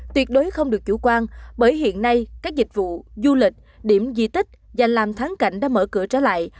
tuyệt đối không được chủ quan bởi hiện nay các dịch vụ du lịch điểm di tích danh làm thắng cảnh đã mở cửa trở lại